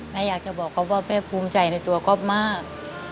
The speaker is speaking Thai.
อยากจะบอกก๊อฟว่าแม่ภูมิใจในตัวก๊อฟมาก